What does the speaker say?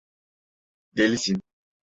Delisin!